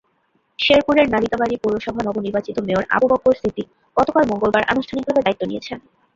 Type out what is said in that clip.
শেরপুরের নালিতাবাড়ী পৌরসভা নবনির্বাচিত মেয়র আবু বক্কর সিদ্দিক গতকাল মঙ্গলবার আনুষ্ঠানিকভাবে দায়িত্ব নিয়েছেন।